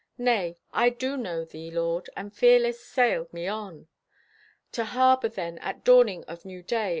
Nay, I do know thee, Lord, and fearless sail me on, To harbor then at dawning of new day.